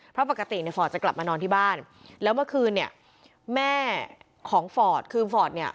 เพราะปกติในฟอร์ดจะกลับมานอนที่บ้านแล้วเมื่อคืนเนี่ยแม่ของฟอร์ดคือฟอร์ดเนี่ย